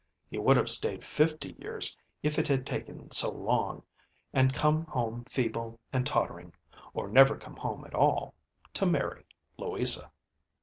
He would have stayed fifty years if it had taken so long, and come home feeble and tottering, or never come home at all, to marry Louisa.